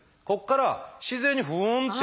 ここから自然にフン！